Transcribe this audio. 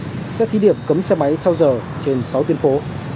và gần nhất sẽ thí điểm cấm xe máy theo giờ trên sáu tuyến phố